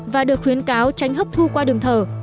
và được khuyến cáo tránh hấp thu qua đường thở